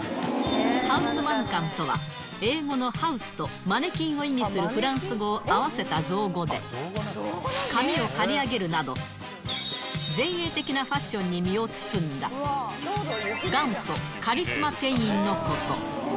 ハウスマヌカンとは、英語のハウスと、マネキンを意味するフランス語を合わせた造語で、髪を刈り上げるなど、前衛的なファッションに身を包んだ、元祖カリスマ店員のこと。